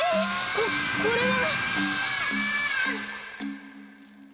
ここれは！？